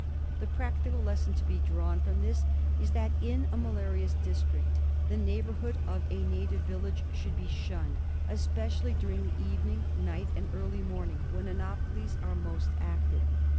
The practical lesson to be drawn from this is that in a malarious district the neighbourhood of a native village should be shunned, especially during the even ing, night, and early morning, when anopheles are most active.